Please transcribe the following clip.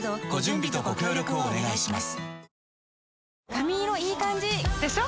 髪色いい感じ！でしょ？